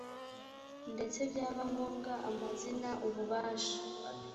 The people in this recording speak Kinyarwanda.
ndetse byaba ngombwa amazina ububasha